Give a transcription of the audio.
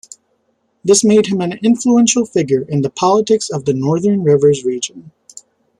This made him an influential figure in the politics of the Northern Rivers region.